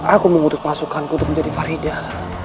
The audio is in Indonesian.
aku memutus pasukanku untuk menjadi faridah